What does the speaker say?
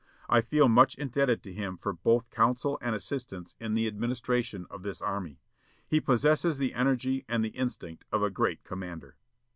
I feel much indebted to him for both counsel and assistance in the administration of this army. He possesses the energy and the instinct of a great commander."